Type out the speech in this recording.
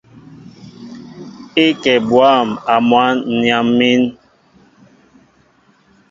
É kɛ bwâm a mwǎn , ǹ yam̀ín.